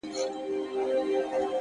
د نيچي ورځې لمر دی اوس به يې زوال وهي _